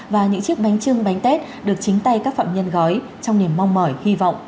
và những chiếc bánh trưng bánh tết được chính tay các phạm nhân gói trong niềm mong mỏi hy vọng